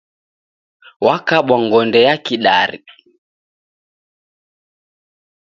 Wakabwa ngonde ya Kidari